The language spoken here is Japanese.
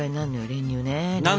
練乳ね。